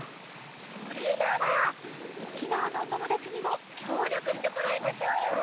それなら沖縄のおともだちにもきょうりょくしてもらいましょうよ。